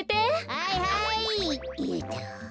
はいはい！